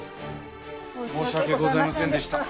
申し訳ございませんでした。